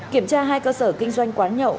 kiểm tra hai cơ sở kinh doanh quán nhậu